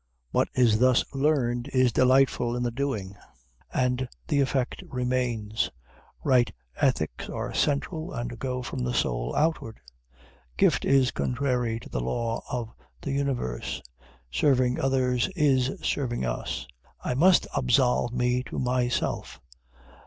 What is thus learned is delightful in the doing, and the effect remains. Right ethics are central, and go from the soul outward. Gift is contrary to the law of the universe. Serving others is serving us. I must absolve me to myself.